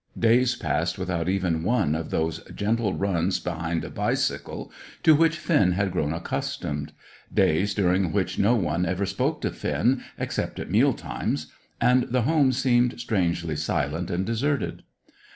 Days passed without even one of those gentle runs behind a bicycle to which Finn had grown accustomed; days during which no one ever spoke to Finn except at meal times, and the home seemed strangely silent and deserted.